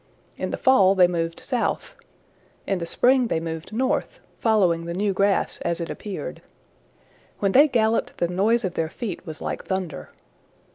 In the fall they moved south. In the spring they moved north, following the new grass as it appeared. When they galloped, the noise of their feet was like thunder.